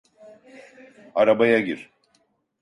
Arabaya gir.